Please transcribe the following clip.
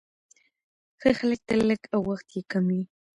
ښه خلک تل لږ او وخت يې کم وي،